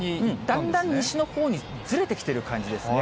だんだん西のほうにずれてきてる感じですね。